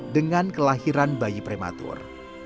dengan kelahiran bayi prematur